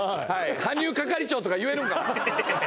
羽生係長とか言えるんかな？